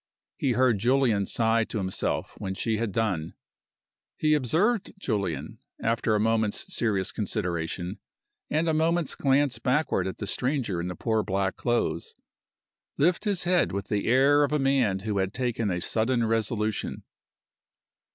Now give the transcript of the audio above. He heard Julian sigh to himself when she had done. He observed Julian after a moment's serious consideration, and a moment's glance backward at the stranger in the poor black clothes lift his head with the air of a man who had taken a sudden resolution.